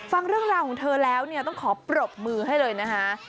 ฟังเรื่องราวของเธอแล้วเนี่ยต้องขอปรบมือให้เลยนะคะ